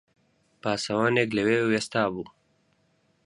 پاسەوانێک لەوێ وێستابوو